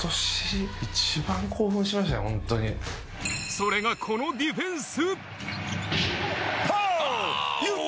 それがこのディフェンス。